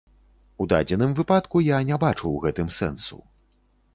У дадзеным выпадку я не бачу ў гэтым сэнсу.